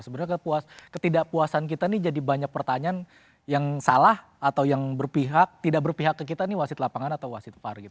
sebenarnya ketidakpuasan kita ini jadi banyak pertanyaan yang salah atau yang berpihak tidak berpihak ke kita ini wasit lapangan atau wasit far gitu